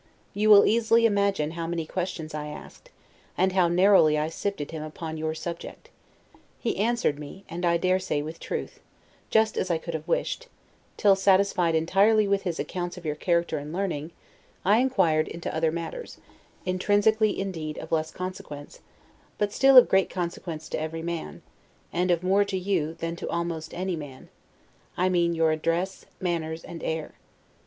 You will easily imagine how many questions I asked, and how narrowly I sifted him upon your subject; he answered me, and I dare say with truth, just as I could have wished; till satisfied entirely with his accounts of your character and learning, I inquired into other matters, intrinsically indeed of less consequence, but still of great consequence to every man, and of more to you than to almost any man: I mean, your address, manners, and air.